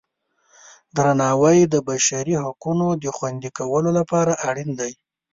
درناوی د بشري حقونو د خوندي کولو لپاره اړین دی.